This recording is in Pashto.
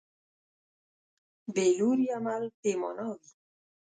بېلوري عمل بېمانا وي.